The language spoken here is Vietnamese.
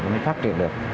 nó mới phát triển được